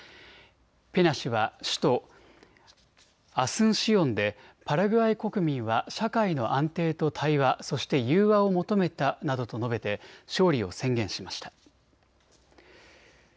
ペニャ氏は首都アスンシオンでパラグアイ国民は社会の安定と対話、そして融和を求めたなどと述べて勝利を制限しました。